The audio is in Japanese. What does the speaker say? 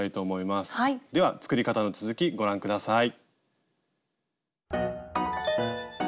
では作り方の続きご覧下さい。